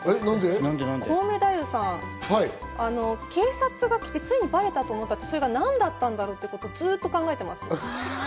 コウメ太夫さん、警察が来てついにバレたと思ったら、それが何だったろうっていうことをずっと考えています。